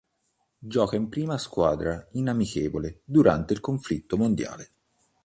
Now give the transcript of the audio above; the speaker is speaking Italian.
Gioca in prima squadra in amichevole durante il conflitto mondiale.